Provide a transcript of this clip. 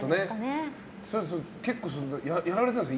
結構やられたんですか？